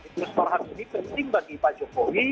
terus pak ham ini penting bagi pak jokowi